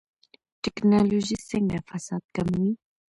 ټکنالوژي څنګه فساد کموي؟